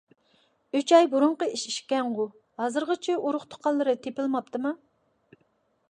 ئۈچ ئاي بۇرۇنقى ئىش ئىكەنغۇ؟ ھازىرغىچە ئۇرۇق تۇغقانلىرى تېپىلماپتىما؟